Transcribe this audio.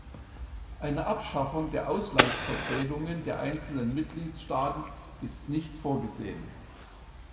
Eine Abschaffung der Auslandsvertretungen der einzelnen Mitgliedstaaten ist nicht vorgesehen.